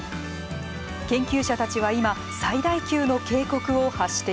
研究者たちは今最大級の警告を発しています。